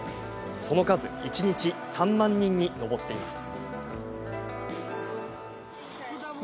その数は、一日３万人に上っています。